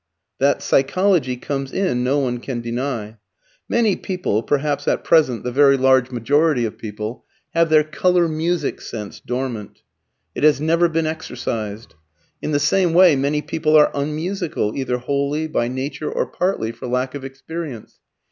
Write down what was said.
That psychology comes in no one can deny. Many people perhaps at present the very large majority of people have their colour music sense dormant. It has never been exercised. In the same way many people are unmusical either wholly, by nature, or partly, for lack of experience.